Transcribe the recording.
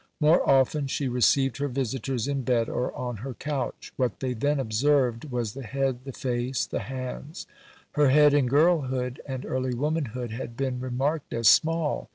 More often she received her visitors in bed or on her couch. What they then observed was the head, the face, the hands. Her head, in girlhood and early womanhood, had been remarked as small.